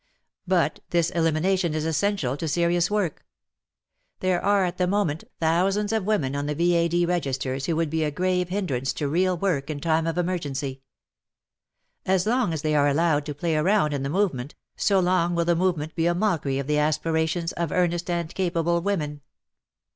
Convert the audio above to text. But this elimination is essential to serious work, There WAR AND WOMEN 235 are at the moment thousands of women on the V.A.D. registers who would be a grave hindrance to real work in time of emergency. As long as they are allowed to play around in the movement, so long will the movement be a mockery of the aspirations of earnest and capable women.